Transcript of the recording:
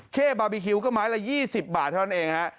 เข้บาร์บีคิวก็ไม้ละ๒๐บาทเท่านั้นเองฮะ